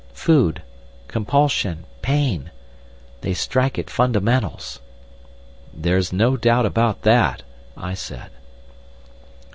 Food. Compulsion. Pain. They strike at fundamentals." "There's no doubt about that," I said.